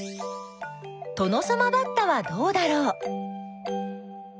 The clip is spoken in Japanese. トノサマバッタはどうだろう？